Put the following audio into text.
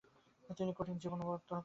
তিনি কঠিন জীবনব্রত করতেন।